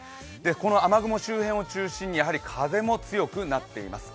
この雨雲周辺を中心にやはり風も強くなっています。